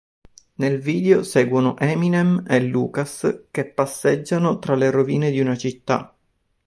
Nel video, seguono Eminem e Lucas che passeggiano tra le rovine di una città.